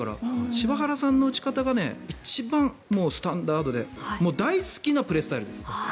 柴原さんの打ち方が一番スタンダードで大好きなプレースタイルです。